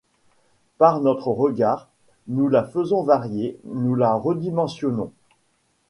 Par notre regard, nous la faisons varier, nous la redimensionnons.